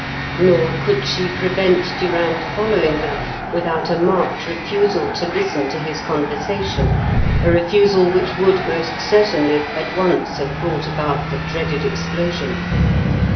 Nor could she prevent Durand following her without a marked refusal to listen to his conversation, a refusal which would most certainly at once have brought about the dreaded explosion.